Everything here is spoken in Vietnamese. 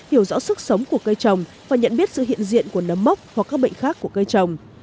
hiểu rõ sức sống của cây trồng và nhận biết sự hiện diện của nấm mốc hoặc các bệnh khác của cây trồng